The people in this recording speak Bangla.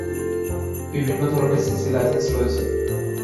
বিভিন্ন ধরনের সিসি লাইসেন্স রয়েছে।